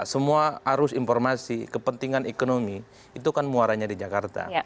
semua arus informasi kepentingan ekonomi itu kan muaranya di jakarta